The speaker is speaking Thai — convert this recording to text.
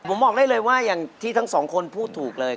ผมบอกได้เลยว่าอย่างที่ทั้งสองคนพูดถูกเลย